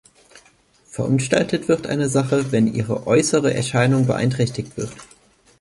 Verunstaltet wird eine Sache, "wenn ihre äußere Erscheinung beeinträchtigt wird".